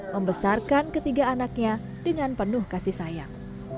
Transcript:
membesarkan ketiga anaknya dengan penuh kasih sayang